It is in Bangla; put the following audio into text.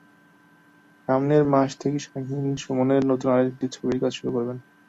সামনের মাস থেকে শাহীন সুমনের নতুন আরেকটি ছবির কাজ শুরু করবেন।